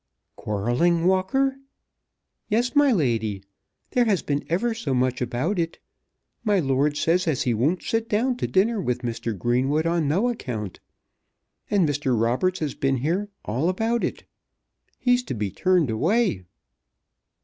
"Quarrelling, Walker?" "Yes, my lady. There has been ever so much about it. My lord says as he won't sit down to dinner with Mr. Greenwood on no account, and Mr. Roberts has been here, all about it. He's to be turned away."